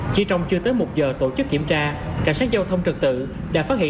chỉ trong chưa tới một giờ tổ chức kiểm tra cảnh sát giao thông trật tự đã phát hiện